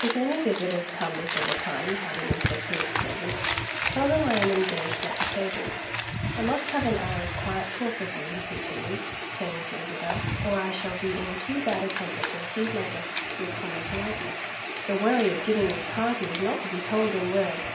"If any visitors come before the time," Hardyman said to his servant, "tell them I am engaged at the stables. I must have an hour's quiet talk with you," he continued, turning to Isabel, "or I shall be in too bad a temper to receive my guests with common politeness. The worry of giving this party is not to be told in words.